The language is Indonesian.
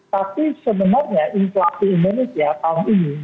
tapi sebenarnya inflasi imunis ya tahun ini